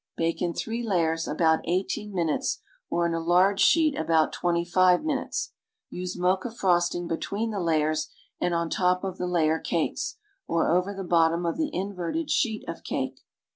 Bake in three layers about eighteen minutes or in a large sheet about twenty five minutes. Use mocha frosting between the layers and on top of the layer cakes, or over the bottom of the inverted sheet of cake.